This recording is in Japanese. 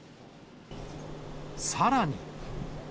さらに。